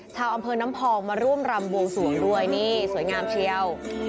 ชาวอำเภอน้ำพองมาร่วมรำบวงสวงด้วยนี่สวยงามเชียว